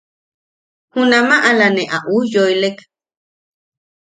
Junama ala ne a ujyooilek.